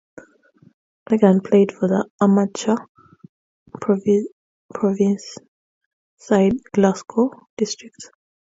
Logan played for the amateur provincial side Glasgow District.